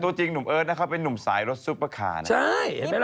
ถูกจริงหนุ่มเอิร์ดนะเขาเป็นนุ่มสายรถซุปเปอร์คาร์ใช่ใช่ไหมแหละ